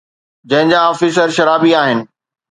جنهن جا آفيسر شرابي آهن